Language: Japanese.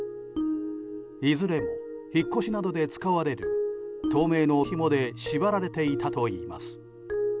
いずれも引っ越しなどで使われる透明のひもで縛られていたといいます。